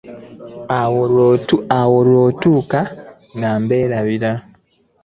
Awo olwatuuka nga mbalabira.